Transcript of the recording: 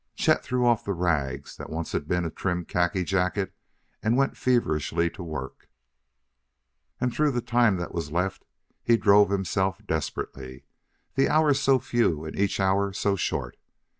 Chet threw off the rags that once had been a trim khaki jacket and went feverishly to work. And through the time that was left he drove himself desperately. The hours so few and each hour so short!